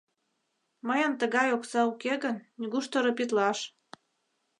Мыйын тыгай окса уке гын, нигуш торопитлаш.